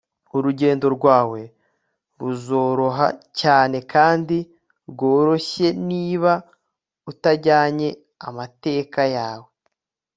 urugendo rwawe ruzoroha cyane kandi rworoshye niba utajyanye amateka yawe